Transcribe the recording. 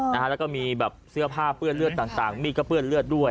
แล้วก็มีแบบเสื้อผ้าเปื้อนเลือดต่างมีดก็เปื้อนเลือดด้วย